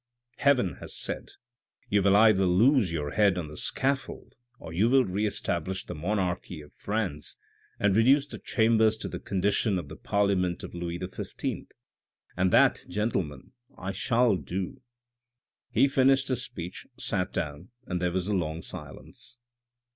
Heaven has said :' You will either loose your head on the scaffold or you will re establish the monarchy of France and reduce the Chambers to the condition of the parliament of Louis XV.,' and that, gentlemen, I shall do." He finished his speech, sat down, and there was a long silence.